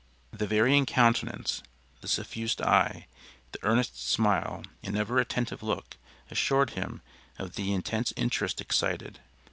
The varying countenance, the suffused eye, the earnest smile and ever attentive look assured him of the intense interest excited.